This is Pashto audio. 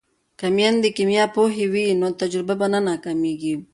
که میندې کیمیا پوهې وي نو تجربې به نه ناکامیږي.